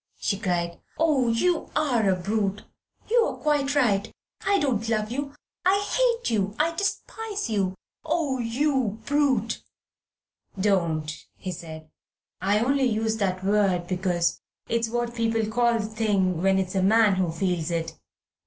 she cried. "Oh, you are a brute! You are quite right: I don't love you I hate you, I despise you. Oh, you brute!" "Don't," he said; "I only used that word because it's what people call the thing when it's a man who feels it.